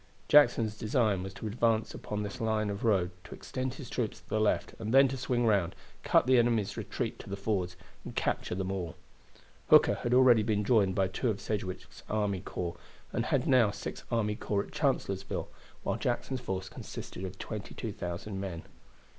Jackson's design was to advance upon this line of road, to extend his troops to the left and then to swing round, cut the enemy's retreat to the fords, and capture them all. Hooker had already been joined by two of Sedgwick's army corps, and had now six army corps at Chancellorsville, while Jackson's force consisted of 22,000 men.